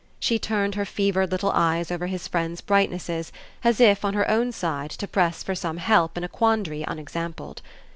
She turned her fevered little eyes over his friend's brightnesses, as if, on her own side, to press for some help in a quandary unexampled.